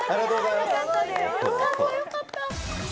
よかった、よかった。